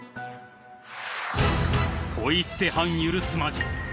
［ポイ捨て犯許すまじ］